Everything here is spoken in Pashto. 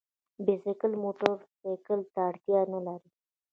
بایسکل موټرسایکل ته اړتیا نه لري.